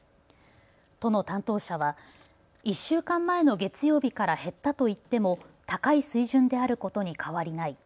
都の担当者は１週間前の月曜日から減ったと言っても高い水準であることに変わりない。